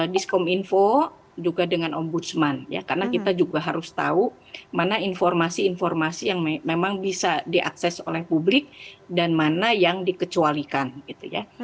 diskom info juga dengan ombudsman ya karena kita juga harus tahu mana informasi informasi yang memang bisa diakses oleh publik dan mana yang dikecualikan gitu ya